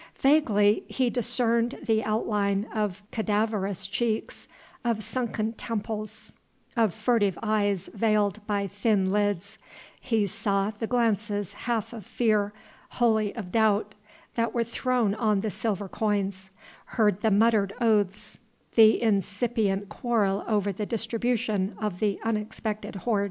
Vaguely he discerned the outline of cadaverous cheeks, of sunken temples, of furtive eyes veiled by thin lids; he saw the glances half of fear, wholly of doubt, that were thrown on the silver coins, heard the muttered oaths, the incipient quarrel over the distribution of the unexpected hoard.